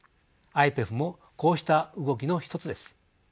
ＩＰＥＦもこうした動きの一つです。